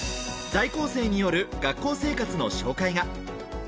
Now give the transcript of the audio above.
在校生による学校生活の紹介が。